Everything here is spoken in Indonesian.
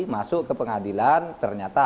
masuk ke pengadilan ternyata